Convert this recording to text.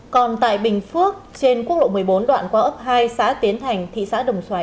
còn tại bình phước trên quốc lộ một mươi bốn đoạn qua ấp hai xã tiến thành thị xã đồng xoài